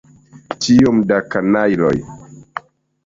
Tiom da kanajloj!